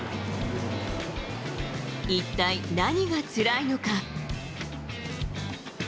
一体、何がつらいのか。